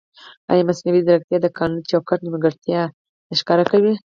ایا مصنوعي ځیرکتیا د قانوني چوکاټ نیمګړتیا نه ښکاره کوي؟